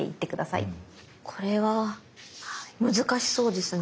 これは難しそうですね。